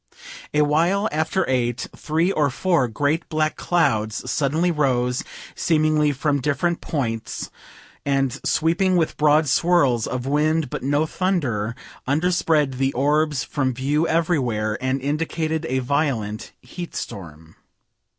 A while after 8, three or four great black clouds suddenly rose, seemingly from different points, and sweeping with broad swirls of wind but no thunder, underspread the orbs from view everywhere, and indicated a violent heatstorm.